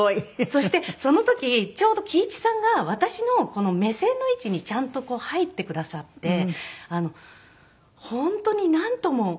そしてその時ちょうど貴一さんが私の目線の位置にちゃんと入ってくださって本当になんとも。